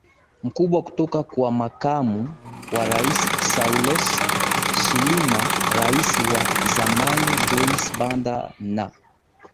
mkubwa kutoka kwa makamu wa rais Saulos Chilima rais wa zamani Joyce Banda na